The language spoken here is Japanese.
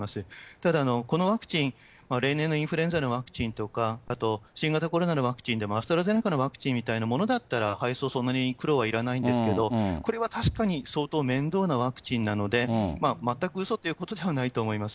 ただ、このワクチン、例年のインフルエンザのワクチンとか、あと新型コロナのワクチンでも、アストラゼネカのワクチンみたいなものだったら配送、そんなに苦労はいらないんですけど、これは確かに相当面倒なワクチンなので、全くうそということではないと思います。